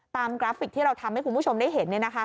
กราฟิกที่เราทำให้คุณผู้ชมได้เห็น